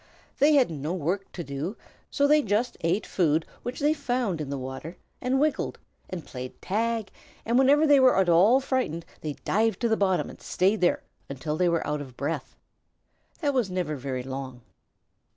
They had no work to do, so they just ate food which they found in the water, and wiggled, and played tag, and whenever they were at all frightened they dived to the bottom and stayed there until they were out of breath. That was never very long.